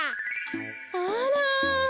あら！